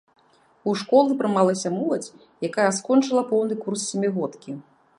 У школу прымалася моладзь, якая скончыла поўны курс сямігодкі.